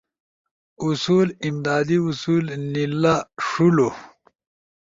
اصول، امدادی اصول نیلا ݜولو